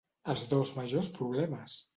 Els dos majors problemes!